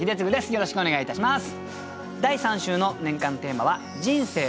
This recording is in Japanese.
よろしくお願いします。